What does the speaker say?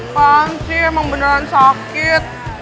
pas sih emang beneran sakit